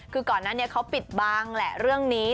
คือก่อนนั้นเขาปิดบางแหละเรื่องนี้